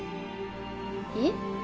えっ？